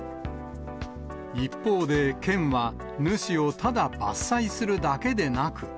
一方で県は、主をただ伐採するだけでなく。